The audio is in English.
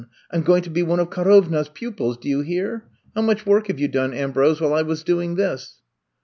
I 'm going to be one of Karovna 's pupils, do you hear? How much work have you done, Ambrose, while I was doing this